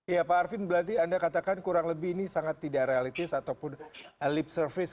ya pak arvin berarti anda katakan kurang lebih ini sangat tidak realistis ataupun lip service